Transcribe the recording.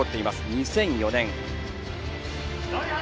２００４年。